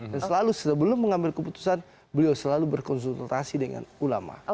dan selalu sebelum mengambil keputusan beliau selalu berkonsultasi dengan ulama